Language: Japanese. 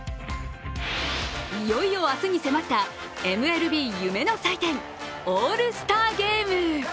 いよいよ明日に迫ったＭＬＢ夢の祭典、オールスターゲーム。